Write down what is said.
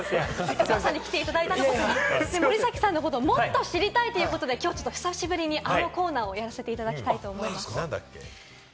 朝早くから来ていただいたということで、森崎さんのことをもっと知りたいということで、久しぶりにあのコーナーをやらせていただきたいと思います。